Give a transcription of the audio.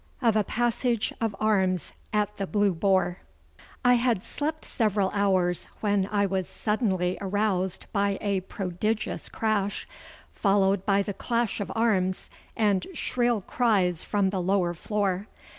Of a Passage of Arms at the Blue Boar I had slept several hours when I was suddenly aroused by a prodigious crash, followed by the clash of arms and shrill cries from the lower floor.